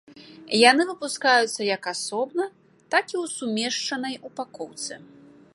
Яны выпускаюцца як асобна, так і ў сумешчанай упакоўцы.